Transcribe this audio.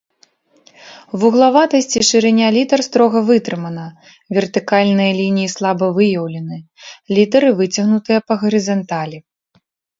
Вуглаватасць і шырыня літар строга вытрымана, вертыкальныя лініі слаба выяўлены, літары выцягнутыя па гарызанталі.